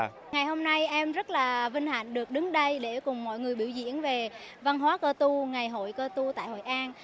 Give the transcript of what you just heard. ngày hôm nay em rất là vinh hạnh được đứng đây để cùng mọi người biểu diễn về văn hóa cơ tu ngày hội cơ tu tại hội an